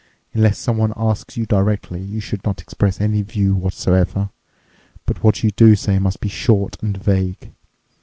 Unless someone asks you directly, you should not express any view whatsoever. But what you do say must be short and vague.